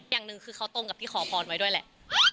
อย่างหนึ่งคือเขาตรงกับที่ขอพรไว้ด้วยแหละ